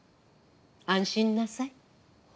安心なさい。